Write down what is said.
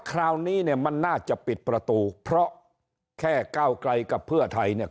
คราวนี้มันน่าจะปิดประตูเพราะแค่เก้าไกรกับเพื่อไทยนะ